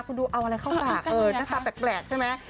คุณดูเอาอะไรเข้าปากหน้าตาแปลกใช่ไหม